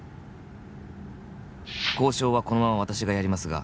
「交渉はこのまま私がやりますが」